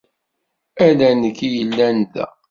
Ala nekk i yellan da.